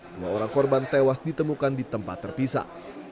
dua orang korban tewas ditemukan di tempat terpisah